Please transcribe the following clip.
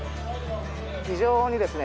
非常にですね